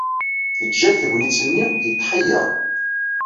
Teǧǧa-t tegnit-nni yetḥeyyeṛ.